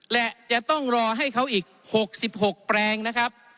และจะต้องรอให้เขาอีก๖๖แปลงนะครับ